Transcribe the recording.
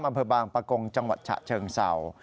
อำเภอบางปะกงจังหวัดฉะเชิงเศร้า